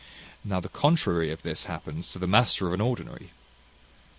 Now the contrary of this happens to the master of an ordinary.